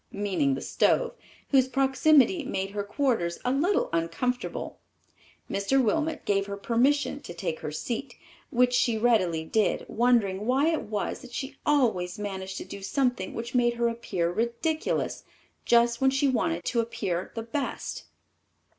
meaning the stove, whose proximity made her quarters a little uncomfortable. Mr. Wilmot gave her permission to take her seat, which she readily did, wondering why it was that she always managed to do something which made her appear ridiculous, just when she wanted to appear the best.